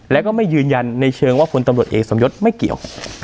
แล้วก็ไม่ยืนยันในเชิงว่าพลตำรวจเอกสมยศไม่เกี่ยว